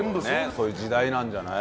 そういう時代なんじゃない？